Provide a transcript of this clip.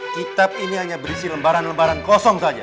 kitab ini hanya berisi lembaran lembaran kosong saja